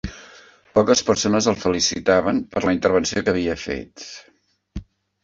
Poques persones el felicitaven per la intervenció que havia fet.